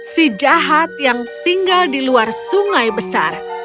si jahat yang tinggal di luar sungai besar